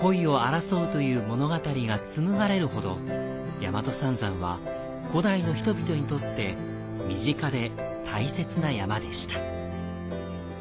大和三山は、古代の人々にとって身近で大切な山でした。